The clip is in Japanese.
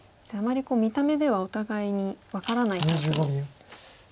じゃああまり見た目ではお互いに分からないタイプと。